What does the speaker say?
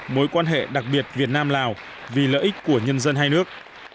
mối quan hệ đặc biệt việt nam lào vì lợi ích của nhân dân hai nước